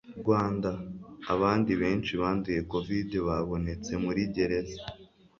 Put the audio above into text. Rwanda: Abandi benshi banduye Covid babonetse muri gereza